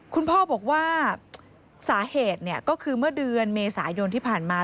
คุณพ่อบอกว่าสาเหตุก็คือเมื่อเดือนเมษายนที่ผ่านมา